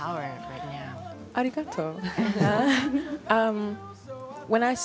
ありがとう。